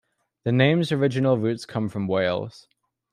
The name's original roots come from Wales.